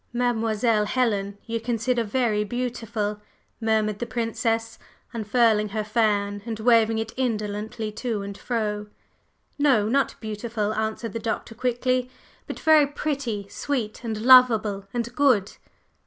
"Mademoiselle Helen you consider very beautiful?" murmured the Princess, unfurling her fan and waving it indolently to and fro. "No, not beautiful," answered the Doctor quickly. "But very pretty, sweet and lovable and good."